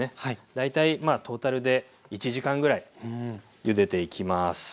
大体トータルで１時間ぐらいゆでていきます。